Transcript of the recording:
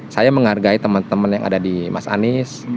saya menghargai teman teman yang ada di mas anies